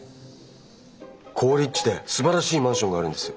好立地ですばらしいマンションがあるんです。